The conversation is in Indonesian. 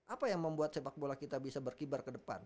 apa yang membuat sepak bola kita bisa berkibar ke depan